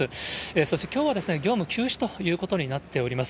そしてきょうは業務休止ということになっております。